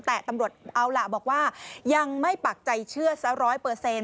แต่ตำรวจเอาล่ะบอกว่ายังไม่ปักใจเชื่อสัก๑๐๐